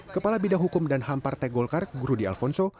kepala bidang hukum dan hampar tegolkar gurudi alfonso